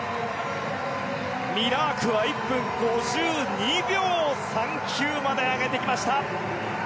ミラークは１分５２秒３９まで上げてきました。